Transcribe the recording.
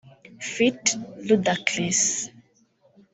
ft Rudacris